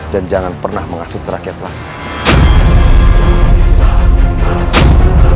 dan jangan pernah mengasut rakyat lain